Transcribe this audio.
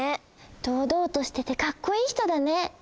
どうどうとしててかっこいい人だね。